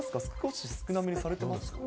少し少なめにされてます？